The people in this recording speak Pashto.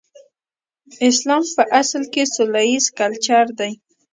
اسلام په اصل کې سوله ييز کلچر دی.